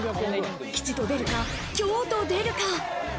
吉と出るか、凶と出るか。